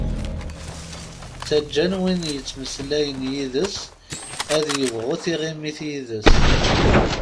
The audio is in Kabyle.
Ttaǧǧan win yettmeslayen yid-s ad yebɣu tiɣimit yid-s.